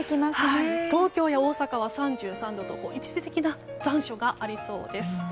東京や大阪は３３度と一時的な残暑がありそうです。